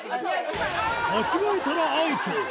間違えたらアウト。